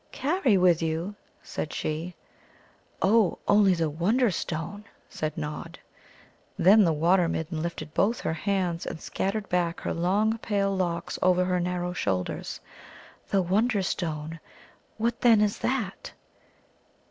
"Carry with you?" said she. "Oh, only the Wonderstone," said Nod. Then the Water midden lifted both her hands, and scattered back her long pale locks over her narrow shoulders. "The Wonderstone? What, then, is that?"